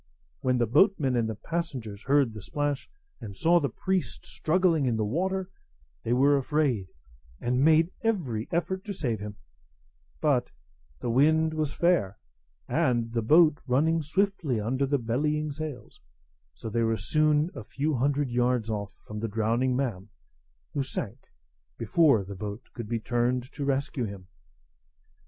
When the boatmen and passengers heard the splash, and saw the priest struggling in the water, they were afraid, and made every effort to save him; but the wind was fair, and the boat running swiftly under the bellying sails; so they were soon a few hundred yards off from the drowning man, who sank before the boat could be turned to rescue him.